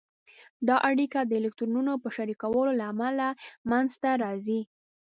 دا اړیکه د الکترونونو په شریکولو له امله منځته راځي.